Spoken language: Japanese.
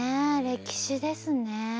歴史ですね。